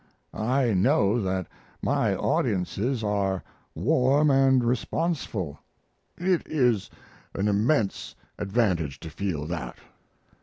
I know that my audiences are warm and responseful. It is an immense advantage to feel that.